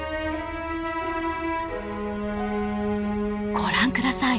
ご覧下さい。